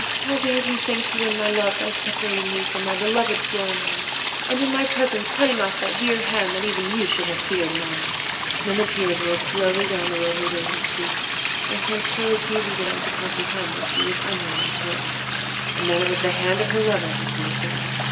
how dared you think to win my love by separating me from my beloved Florimond, and in my presence cutting off that dear hand that even you should have feared and honoured?' And then the tears rolled slowly down the lovely lady's cheeks, and Prince Curlicue began to comprehend that she was under an enchantment, and that it was the hand of her lover that he had found.